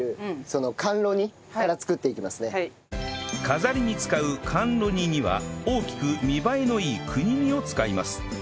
飾りに使う甘露煮には大きく見栄えのいい国見を使います